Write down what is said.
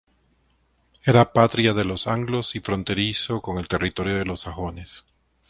Era patria de los anglos y fronterizo con el territorio de los sajones.